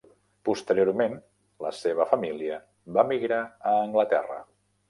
Posteriorment la seva família va migrar a Anglaterra.